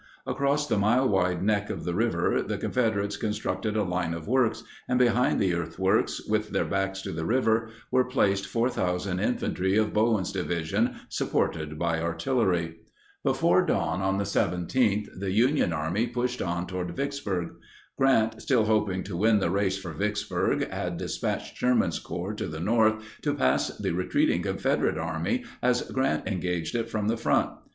Across the mile wide neck of the river the Confederates constructed a line of works, and behind the earthworks, with their backs to the river, were placed 4,000 infantry of Bowen's Division supported by artillery. Before dawn on the 17th the Union Army pushed on toward Vicksburg. Grant, still hoping to win the race for Vicksburg, had dispatched Sherman's Corps to the north to pass the retreating Confederate Army as Grant engaged it from the front.